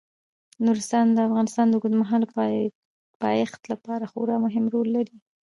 نورستان د افغانستان د اوږدمهاله پایښت لپاره خورا مهم رول لري.